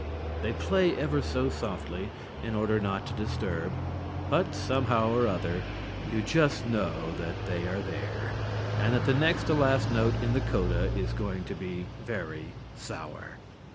They play ever so softly, in order not to disturb, but somehow or other you just know that they are there, and that the next to last note in the coda is going to be very sour.